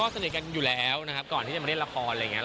แซวกันมากกว่า